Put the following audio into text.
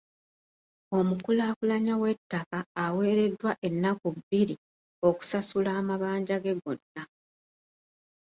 Omukulaakulanya w'ettaka aweereddwa ennaku bbiri okusasula amabanja ge gonna.